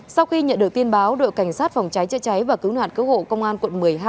sau khi nhận được tin báo đội cảnh sát phòng cháy chữa cháy và cứu nạn cứu hộ công an quận một mươi hai